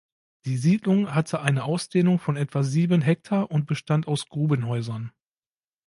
Die Siedlung hatte eine Ausdehnung von etwa sieben Hektar und bestand aus Grubenhäusern.